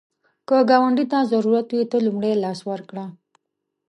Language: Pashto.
که ګاونډي ته ضرورت وي، ته لومړی لاس ورکړه